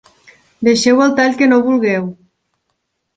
Deixeu el tall que no vulgueu.